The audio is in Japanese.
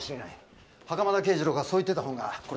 袴田啓二郎がそう言ってた本がこれですわ。